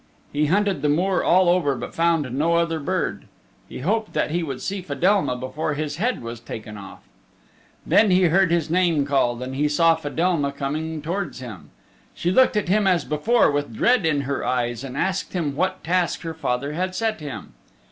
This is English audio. He hunted the moor all over but found no other bird. He hoped that he would see Fedelma before his head was taken off. Then he heard his name called and he saw Fedelma coming towards him. She looked at him as before with dread in thier eyes and asked him what task her father had set him.